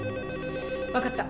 わかった。